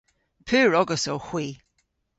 Pur ogas owgh hwi.